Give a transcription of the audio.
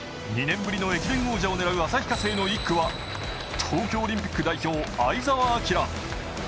２年ぶりの駅伝王者を狙う旭化成の１区は、東京オリンピック代表、相澤晃。